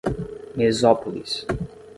Mesópolis